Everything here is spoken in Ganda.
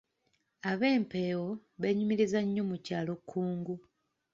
Ab’Empeewo beenyumiriza nnyo mu kyalo Kkungu.